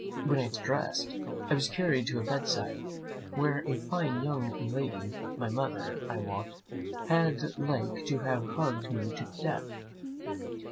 When I was thus dressed, I was carried to a bedside, where a fine young lady, my mother I wot, had like to have hugged me to death.